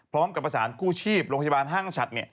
พร้อมกับประสานกู้ชีพโรงพยาบาลห้างฉัด